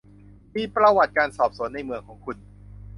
มีประวัติการสอบสวนในเมืองของคุณ